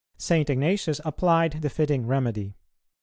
St. Ignatius applied the fitting remedy.